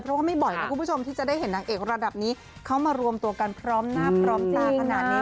เพราะว่าไม่บ่อยนะคุณผู้ชมที่จะได้เห็นนางเอกระดับนี้เขามารวมตัวกันพร้อมหน้าพร้อมตาขนาดนี้